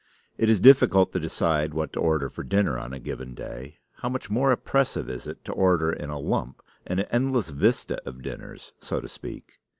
It is difficult to decide what to order for dinner on a given day: how much more oppressive is it to order in a lump an endless vista of dinners, so to speak!